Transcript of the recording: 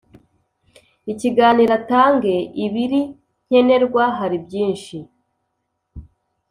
ikiganiro atange ibiri nkenerwa Hari byinshi